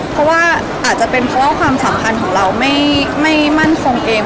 เพราะว่าอาจจะเป็นเพราะว่าความสัมพันธ์ของเราไม่มั่นคงเอง